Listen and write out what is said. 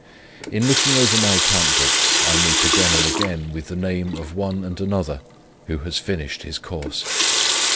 "In looking over my account books, I meet again and again with the name of one and another who has finished his course.